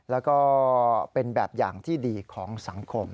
แล้วก็เป็นแบบอย่างที่ดีของสังคม